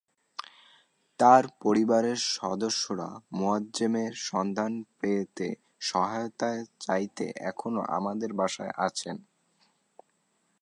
তার পরিবারের সদস্যরা মোয়াজ্জেমের সন্ধান পেতে সহায়তা চাইতে এখনো আমার বাসায় আছেন।